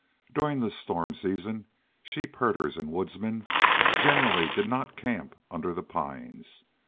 During the storm season sheep herders and woodsmen generally did not camp under the pines.